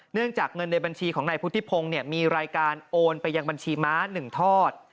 เนื่องจากเงินในบัญชีของนายพุทธิพงศ์มีรายการโอนไปยังบัญชีม้า๑ทอด